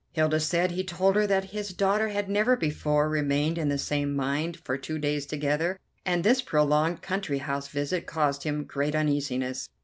Hilda said he told her that his daughter had never before remained in the same mind for two days together, and this prolonged country house visit caused him great uneasiness.